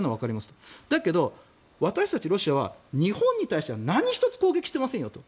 ただ、私たちロシアは日本に対しては何一つ攻撃してませんよと。